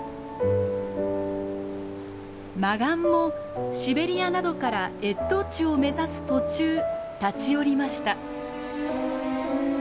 マガンもシベリアなどから越冬地を目指す途中立ち寄りました。